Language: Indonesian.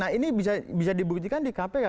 nah ini bisa dibuktikan di kpk